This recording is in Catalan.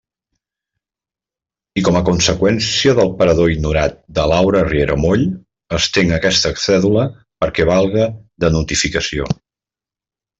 I com a conseqüència del parador ignorat de Laura Riera Moll, estenc aquesta cèdula perquè valga de notificació.